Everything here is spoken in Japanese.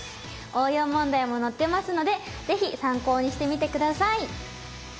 応用問題も載ってますので是非参考にしてみて下さい！